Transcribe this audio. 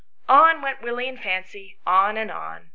" On went "Willie and Fancy, on and on.